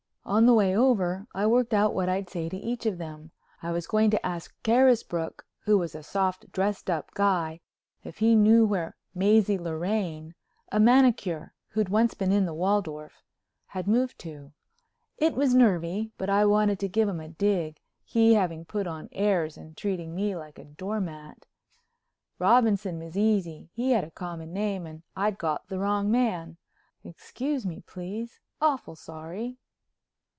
On the way over I worked out what I'd say to each of them. I was going to ask Carisbrook, who was a soft, dressed up guy, if he knew where Mazie Lorraine, a manicure who'd once been in the Waldorf, had moved to. It was nervy but I wanted to give him a dig, he having put on airs and treated me like a doormat. Robinson was easy—he had a common name and I'd got the wrong man. Excuse me, please, awful sorry.